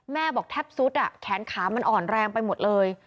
บอกแทบสุดแขนขามันอ่อนแรงไปหมดเลย